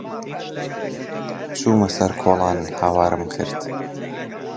چوومە سەر کۆڵان هاوارم کرد: